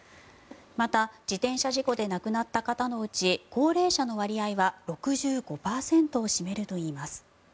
また、自転車事故で亡くなった方のうち高齢者の割合は６５％を占めるといいます。